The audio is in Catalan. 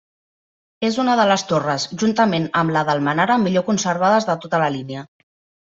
És una de les torres, juntament amb la d'Almenara, millor conservades de tota la línia.